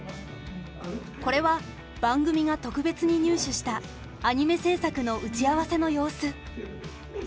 これは番組が特別に入手したアニメ制作の打ち合わせの様子。